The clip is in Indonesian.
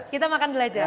kita makan dulu aja